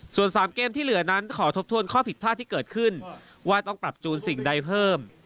ส่วน๓เกมที่เหลือนั้นขอทบทวนข้อผิดพลาดที่เกิดขึ้นว่าต้องปรับจูนสิ่งใดเพิ่ม